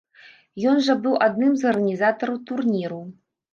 Ён жа быў адным з арганізатараў турніру.